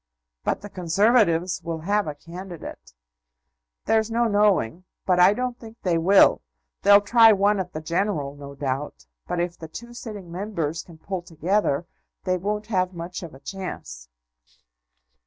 "But the Conservatives will have a candidate." "There's no knowing; but I don't think they will. They'll try one at the general, no doubt; but if the two sitting Members can pull together, they won't have much of a chance."